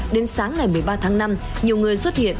đến sáng ngày một mươi ba tháng năm nhiều người xuất hiện